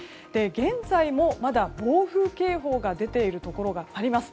現在もまだ暴風警報が出ているところがあります。